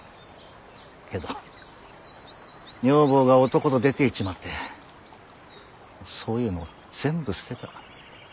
けど女房が男と出ていっちまってそういうの全部捨てた。